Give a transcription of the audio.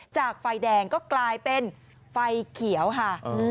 ไฟแดงก็กลายเป็นไฟเขียวค่ะ